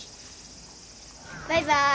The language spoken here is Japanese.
バイバイ。